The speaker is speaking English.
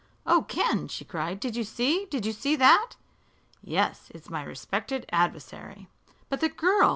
"Oh, Ken!" she cried, "did you see? Did you see that?" "Yes; it's my respected adversary." "But the girl!